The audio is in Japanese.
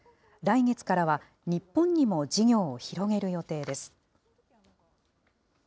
来月からは日本にも事業を広げる予定です。